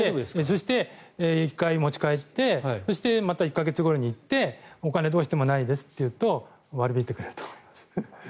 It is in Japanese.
そして１回持ち帰ってまた１か月後に行ってお金、どうしてもないですと言うと割り引いてくれると思います。